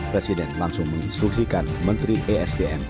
presiden langsung menginstruksikan menteri esdm